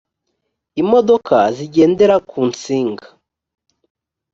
imodoka zigendera ku nsinga